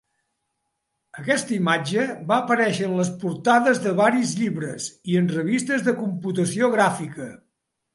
Aquesta imatge va aparèixer en les portades de varis llibres i en revistes de computació gràfica.